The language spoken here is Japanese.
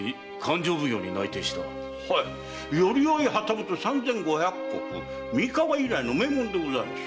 はい寄合旗本三千五百石三河以来の名門でございます。